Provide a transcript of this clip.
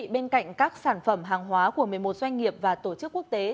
bên cạnh các sản phẩm hàng hóa của một mươi một doanh nghiệp và tổ chức quốc tế